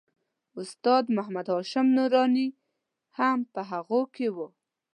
استاد محمد هاشم نوراني هم په هغوی کې و.